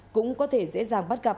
cũng có thể dễ dàng bắt gặp